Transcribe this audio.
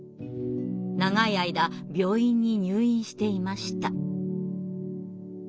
長い間病院に入院していました。